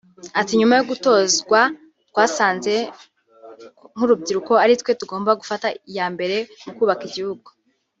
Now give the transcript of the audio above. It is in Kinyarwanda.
Ati” Nyuma yo gutozwa twasanze nk’urubyiruko ari twe tugomba gufata iya mbere mu kubaka igihugu